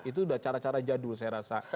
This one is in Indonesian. itu udah cara cara jadul saya rasa